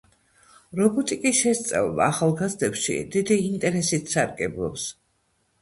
რობოტიკის შესწავლა ახალგაზრდებში დიდი ინტერესით სარგებლობს.